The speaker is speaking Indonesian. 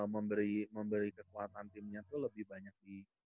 memberi kekuatan timnya itu lebih banyak di